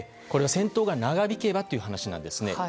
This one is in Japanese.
これは戦闘が長引けばという話なんですね。